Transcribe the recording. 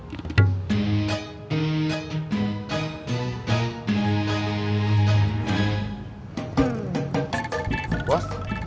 saya mah mau dibikirin sama kamu